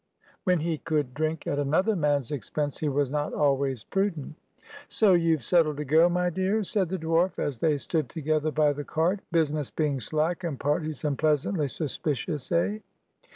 When he could drink at another man's expense, he was not always prudent. "So you've settled to go, my dear?" said the dwarf, as they stood together by the cart. "Business being slack, and parties unpleasantly suspicious, eh?"